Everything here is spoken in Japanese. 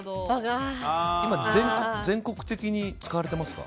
今、全国的に使われていますか？